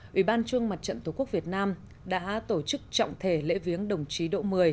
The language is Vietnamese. ủy ban trung mặt trận tổ quốc việt nam đã tổ chức trọng thể lễ viếng đồng chí độ một mươi